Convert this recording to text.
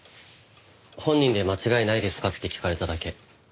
本人で間違いないですか？って聞かれただけ。